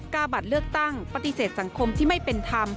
บัตรเลือกตั้งปฏิเสธสังคมที่ไม่เป็นธรรม